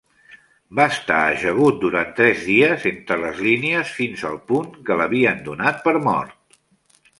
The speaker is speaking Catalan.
Va estar ajagut durant tres dies entre les línies fins al punt que l'havien donat per mort.